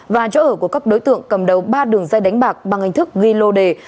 và chỗ ở của các đối tượng cầm đầu ba đường dây đánh bạc bằng hình thức ghi lô đề